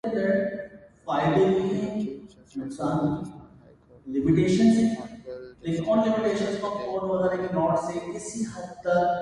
The Chief Justice of the Rajasthan High Court is Hon'ble Justice Mr. Pradeep Nandrajog.